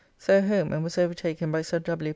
So home and was overtaken by Sir W.